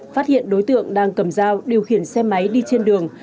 phát hiện đối tượng đang cầm dao điều khiển xe máy đi trên đường